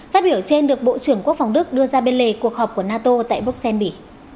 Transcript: phát biểu trên được bộ trưởng quốc phòng đức đưa ra bên lề cuộc họp của nato tại bruxelles bỉ